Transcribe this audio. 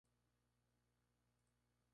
El sabio siguió sentado con los ojos cerrados.